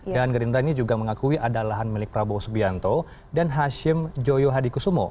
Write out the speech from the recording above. dan gerinda ini juga mengakui ada lahan milik prabowo subianto dan hashim joyo hadikusumo